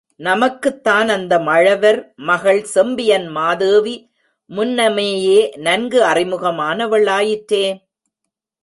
நமக்குத்தான் அந்த மழவர் மகள் செம்பியன் மாதேவி முன்னமேயே நன்கு அறிமுகம் ஆனவள் ஆயிற்றே.